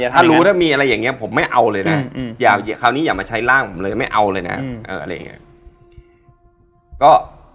ถ้ารู้ถ้ามีอะไรอย่างนี้ผมไม่เอาเลยนะคราวนี้อย่ามาใช้ร่างผมเลยไม่เอาเลยนะอะไรอย่างนี้